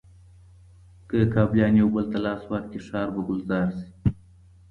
که کابليان یو بل ته لاس ورکړي، ښار به ګلزار شي.